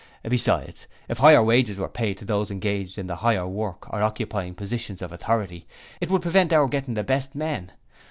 Besides, if higher wages were paid to those engaged in the higher work or occupying positions of authority it would prevent our getting the best men.